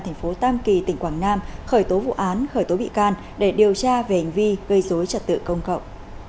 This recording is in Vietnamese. thành phố tam kỳ tỉnh quảng nam khởi tố vụ án khởi tố bị can để điều tra về hành vi gây dối trật tự công cộng